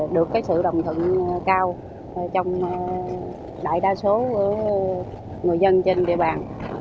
được sự đồng thận cao trong đại đa số người dân trên địa bàn